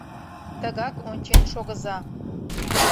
Ты гак ончен шогыза.